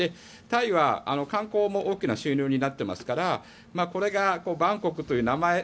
タイは観光も大きな収入になっていますからこれがバンコクという名前